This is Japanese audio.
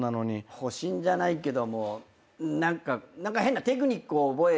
保身じゃないけども何か変なテクニックを覚えちゃうのが。